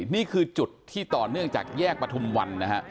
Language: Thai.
นี่คือจุดที่ตอนเนื่องจากแยกปฐมวัน